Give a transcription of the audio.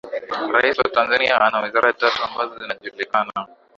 Rais wa Tanzania ana wizara tatu ambazo zinajulikana